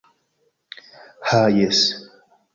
Ha jes!